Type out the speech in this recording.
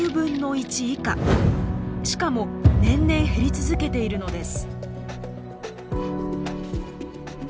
しかも年々減り続けているのです。